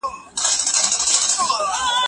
که کار په اخلاص سره وسي نو بریا به ستا په برخه وي.